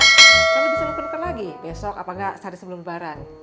kan bisa lo pendekan lagi besok apa enggak sehari sebelum lebaran